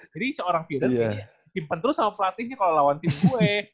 jadi si orang fyodan tuh kapan kapan pimpin terus sama pelatihnya kalau lawan tim gue